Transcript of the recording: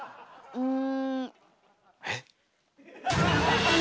うん。